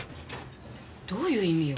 どういう意味よ？